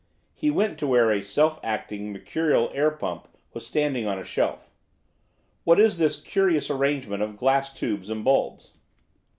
He went to where a self acting mercurial air pump was standing on a shelf. 'What is this curious arrangement of glass tubes and bulbs?